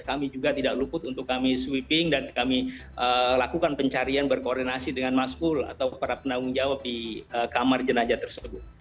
kami juga tidak luput untuk kami sweeping dan kami lakukan pencarian berkoordinasi dengan mas full atau para penanggung jawab di kamar jenajah tersebut